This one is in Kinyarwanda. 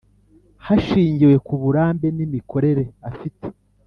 hashingiwe ku burambe n imikorere afite